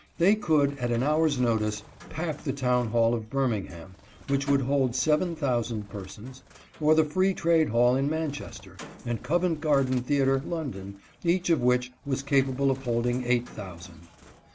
They could, at an hour's notice, pack the Town Hall of Birmingham, which would hold seven thousand persons, or the Free Trade Hall in Manchester, and Covent Garden theater, London, each of which was capable of holding eight thousand.